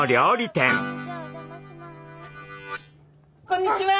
こんにちは。